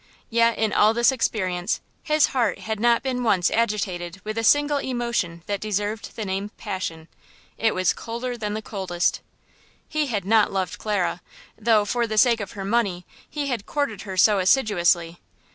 Yet in all this experience his heart had not been once agitated with a single emotion that deserved the name of passion. It was colder than the coldest. He had not loved Clara, though, for the sake of her money, he had courted her so assiduously.